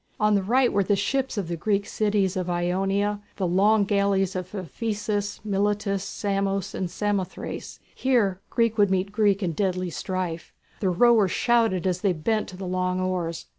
On the right were the ships of the Greek cities of Ionia, the long galleys of Ephesus, Miletus, Samos, and Samothrace. Here Greek would meet Greek in deadly strife. The rowers shouted as they bent to the long oars.